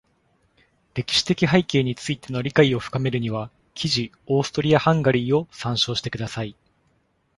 歴史的背景についての理解を深めるには、記事 Austria-Hungary を参照してください。